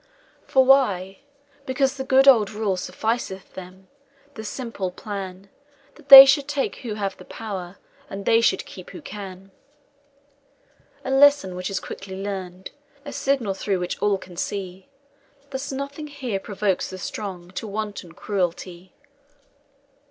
"For why? Because the good old rule Sufficeth them; the simple plan, That they should take who have the power, And they should keep who can. "A lesson which is quickly learn'd, A signal through which all can see; Thus, nothing here provokes the strong To wanton cruelty.